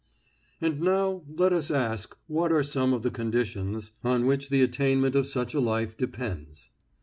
And now, let us ask what are some of the conditions on which the attainment of such a life depends.